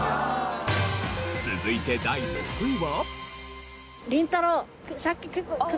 続いて第６位は。